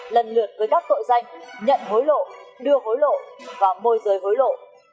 lần lượt với các tội danh nhận hối lộ đưa hối lộ và môi rời hối lộ